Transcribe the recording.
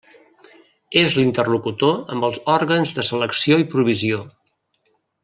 És l'interlocutor amb els òrgans de selecció i provisió.